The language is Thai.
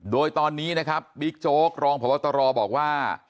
โดยตอนนี้นะครับบิ๊กโจ๊กรองพบตรบอกว่า